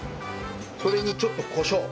それにちょっとコショウ。